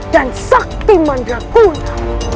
dan sakti mandraguna